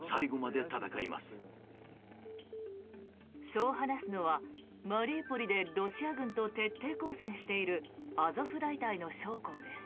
そう話すのは、マリウポリでロシア軍と徹底抗戦しているアゾフ大隊の将校です。